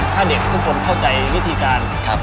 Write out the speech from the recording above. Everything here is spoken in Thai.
ถ้าเด็กทุกคนเข้าใจวิธีการ